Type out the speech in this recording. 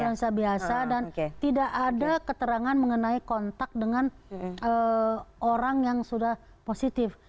influenza biasa dan tidak ada keterangan mengenai kontak dengan orang yang sudah positif